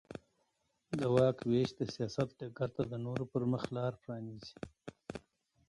د واک وېش د سیاست ډګر ته د نورو پرمخ لار پرانېزي.